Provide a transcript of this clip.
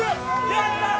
やったー！